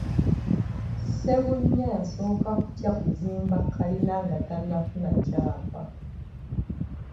Ssebunya yasooka kutya kuzimba kalina nga tannafuna kyapa.